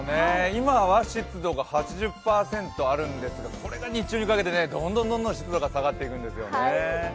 今は湿度が８０％あるんですけどこれが日中にかけてどんどん湿度が下がっていくんですよね。